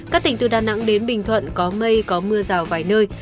các tỉnh từ đà nẵng đến bình thuận có mây có mưa rào vài nơi